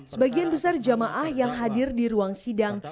sebagian besar jamaah yang hadir di ruang sidang